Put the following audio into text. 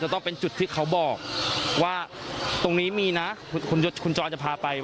ต้องเป็นจุดที่เขาบอกว่าตรงนี้มีนะคุณจอยจะพาไป